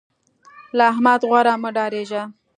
له احمد د غور مه ډارېږه.